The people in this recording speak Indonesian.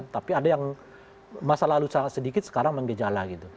tapi ada yang masa lalu sedikit sekarang menggejala gitu